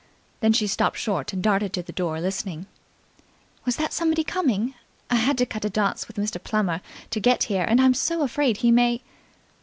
Then she stopped short and darted to the door listening. "Was that somebody coming? I had to cut a dance with Mr. Plummer to get here, and I'm so afraid he may.